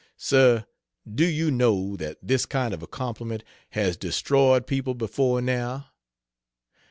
Sir, do you know that this kind of a compliment has destroyed people before now?